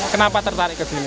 kenapa tertarik ke sini